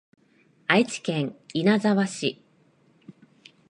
愛知県稲沢市